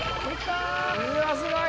うわっすごい！